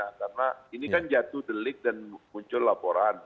karena ini kan jatuh delik dan muncul laporan